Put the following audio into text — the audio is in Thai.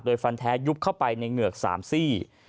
ฟันแท้ยุบเข้าไปในเหงือก๓ซี่